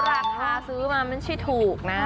แล้วราคาซื้อมามันใช่ถูกนะ